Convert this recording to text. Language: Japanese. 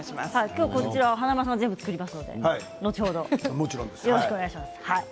今日はこちらを華丸さんが全部作りますので後ほど、よろしくお願いします。